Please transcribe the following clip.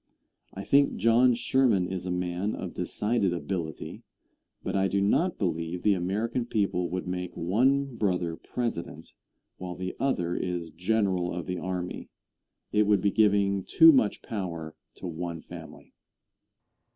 I think John Sherman is a man of decided ability, but I do not believe the American people would make one brother President, while the other is General of the Army. It would be giving too much power to one family.